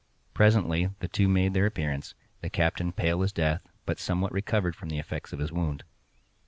Presently the two made their appearance, the captain pale as death, but somewhat recovered from the effects of his wound.